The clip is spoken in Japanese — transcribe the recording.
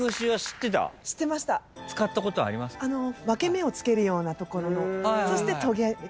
分け目をつけるようなところのそして。